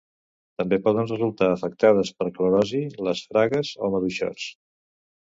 També poden resultar afectades per clorosi les fragues o maduixots.